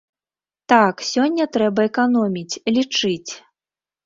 Так, сёння трэба эканоміць, лічыць.